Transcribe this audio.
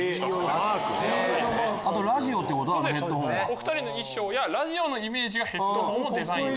２人の衣装やラジオのイメージがヘッドホンのデザイン。